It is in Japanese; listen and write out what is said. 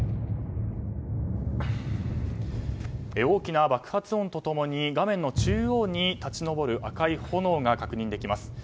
大きな爆発音と共に画面の中央に立ち上る赤い炎が確認できます。